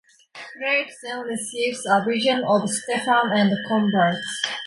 Pilate then receives a vision of Stephen, and converts.